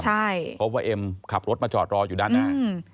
เพราะว่าเอ็มขับรถมาจอดรออยู่ด้านหน้า